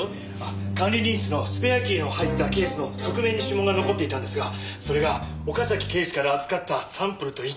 管理人室のスペアキーの入ったケースの側面に指紋が残っていたんですがそれが岡崎警視から預かったサンプルと一致したんです！